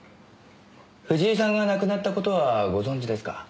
藤井さんが亡くなった事はご存じですか？